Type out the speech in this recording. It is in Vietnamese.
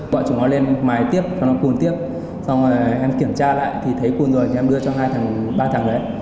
bọn chúng nó lên mài tiếp cho nó cuồn tiếp xong rồi em kiểm tra lại thì thấy cuồn rồi thì em đưa cho hai thằng ba thằng đấy